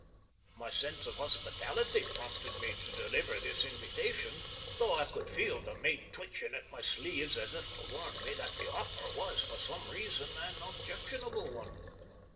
My sense of hospitality prompted me to deliver this invitation, though I could feel the mate twitching at my sleeves as if to warn me that the offer was, for some reason, an objectionable one.